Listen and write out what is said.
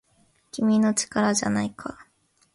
君の力じゃないか